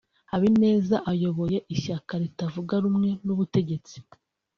Habineza ayoboye ishyaka ritavuga rumwe n’ubutegetsi